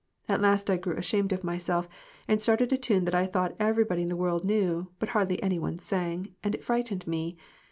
At last I grew ashamed of myself, and started a tune that I thought every body in the world knew, but hardly any one sang, and that frightened me.